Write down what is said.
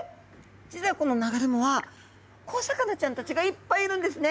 実はこの流れ藻は小魚ちゃんたちがいっぱいいるんですね。